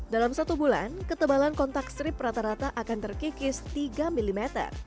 dalam satu bulan ketebalan kontak strip rata rata akan terkikis tiga mm